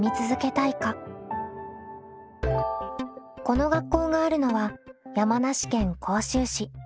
この学校があるのは山梨県甲州市。